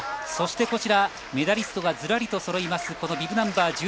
そしてメダリストがずらりとそろいますビブナンバー